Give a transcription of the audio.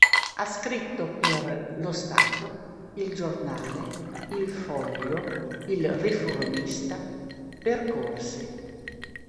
Ha scritto per "Lo Stato", "il Giornale", "Il Foglio", "Il Riformista", "Percorsi".